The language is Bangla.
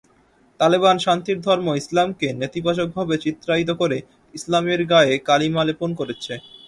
তালেবান শান্তির ধর্ম ইসলামকে নেতিবাচকভাবে চিত্রায়িত করে ইসলামের গায়ে কালিমা লেপন করছে।